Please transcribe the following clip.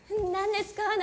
何ですか？